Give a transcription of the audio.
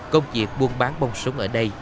công việc buôn bán bông súng ở đây